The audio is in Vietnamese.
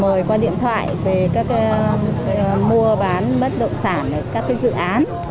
rồi qua điện thoại về các mua bán bất động sản các dự án